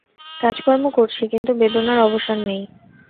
কাজকর্ম করছি, কিন্তু বেদনার অবসান নেই।